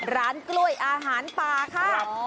ร้านกล้วยอาหารป่าค่ะ